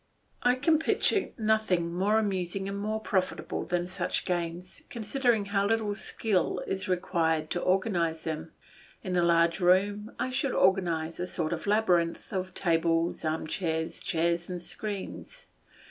I can picture nothing more amusing and more profitable than such games, considering how little skill is required to organise them. In a large room I should arrange a sort of labyrinth of tables, armchairs, chairs, and screens.